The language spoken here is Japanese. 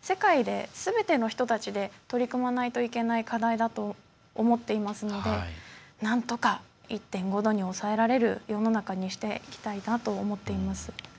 世界で、すべての人たちで取り組まないといけない課題だと思っていますのでなんとか、１．５度に抑えられる世の中にしていきたいなと思っています。